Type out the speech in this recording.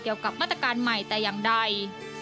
กับมาตรการใหม่แต่อย่างใด